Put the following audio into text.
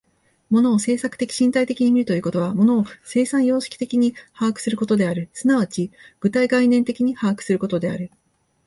物を制作的身体的に見るということは、物を生産様式的に把握することである、即ち具体概念的に把握することである。